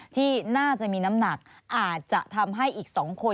ที่น่าจะมีน้ำหนักอาจจะทำให้อีก๒คน